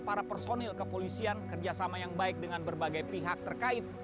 para personil kepolisian kerjasama yang baik dengan berbagai pihak terkait